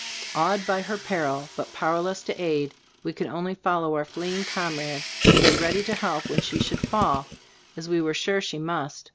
Awed by her peril, but pow erless to aid, we could only follow our fleeing comrade to be ready to help when she should fall, as we were sure she must.